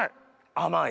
甘い？